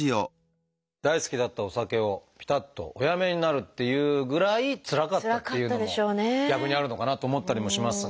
大好きだったお酒をぴたっとおやめになるっていうぐらいつらかったっていうのも逆にあるのかなと思ったりもしますが。